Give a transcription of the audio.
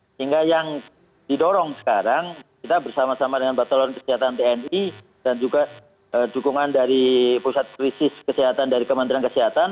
sehingga yang didorong sekarang kita bersama sama dengan batolan kesehatan tni dan juga dukungan dari pusat krisis kesehatan dari kementerian kesehatan